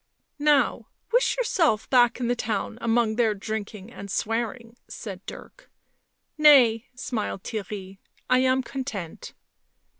* "Now wish yourself back in the town among their drinking and swearing," said Dirk. " Nay," smiled Theirry. " I am content."